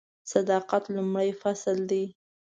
صداقت لومړی فصل دی .